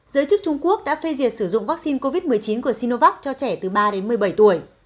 giới chức trung quốc đã phê duyệt sử dụng vaccine covid một mươi chín của sinovac cho trẻ từ ba đến một mươi bảy tuổi